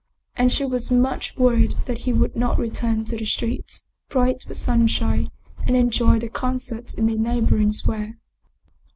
And she was much worried that he would not return to the streets, bright with sunshine, and enjoy the concert in the neighboring square.